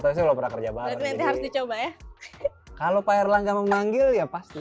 tapi saya belum pernah kerja banget nanti harus dicoba ya kalau pak erlangga memanggil ya pasti